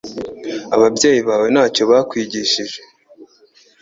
Ababyeyi bawe ntacyo bakwigishije